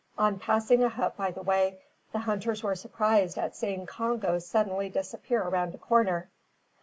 On passing a hut by the way, the hunters were surprised at seeing Congo suddenly disappear around a corner!